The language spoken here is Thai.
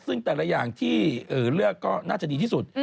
ซึ่งแต่ละอย่างที่เลือกก็น่าจะดีที่สุด